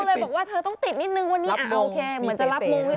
เลยบอกว่าเธอต้องติดนิดนึงวันนี้โอเคเหมือนจะรับมือให้